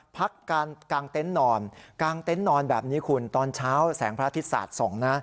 พักกลางเต็นต์นอนตอนเช้าแสงพระอธิสัตว์ส่ง